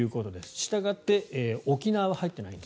したがって沖縄は入っていません。